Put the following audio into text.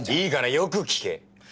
いいからよく聞け。